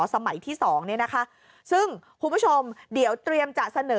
สมัยที่สองเนี่ยนะคะซึ่งคุณผู้ชมเดี๋ยวเตรียมจะเสนอ